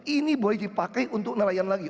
ini boleh dipakai untuk nelayan lagi